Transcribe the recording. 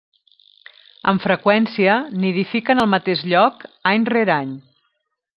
Amb freqüència, nidifiquen al mateix lloc any rere any.